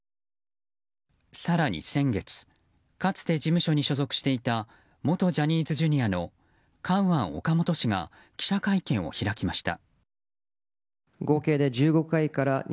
更に先月かつて事務所に所属していた元ジャニーズＪｒ．のカウアン・オカモト氏が記者会見を開きました。